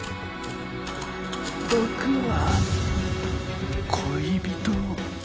６は恋人。